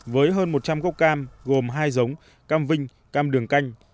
với hơn một trăm linh gốc cam gồm hai giống cam vinh cam đường canh